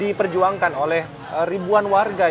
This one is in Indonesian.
diperjuangkan oleh ribuan warga